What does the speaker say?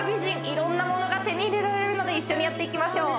いろんなものが手に入れられるので一緒にやっていきましょう